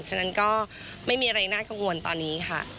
ฉะนั้นก็ไม่มีอะไรน่ากังวลตอนนี้ค่ะ